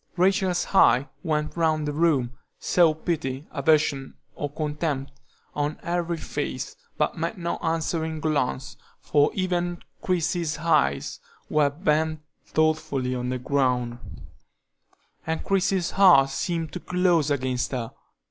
Rachel's eye went round the room; saw pity, aversion, or contempt, on every face, but met no answering glance, for even Christie's eyes were bent thoughtfully on the ground, and Christie's heart seemed closed against her.